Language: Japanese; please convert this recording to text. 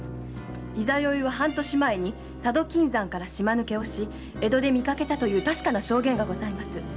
十六夜は半年前佐渡から島抜けをし江戸で見かけたという確かな証言がございます。